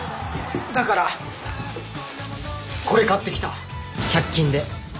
だからこれ買ってきた１００均で。